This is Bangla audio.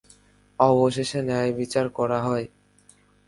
অবশেষে ন্যায়বিচার করা হয়।